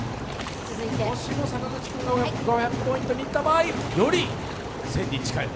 もしも坂口君が５００ポイントにいった場合より１０００に近い方。